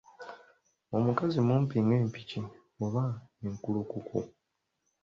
Omukazi mumpi nga Empiki oba enkulukuku.